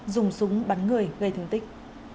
dùng súng bắn người gây thương tích